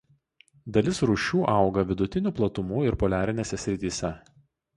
Dalis rūšių auga vidutinių platumų ir poliarinėse srityse.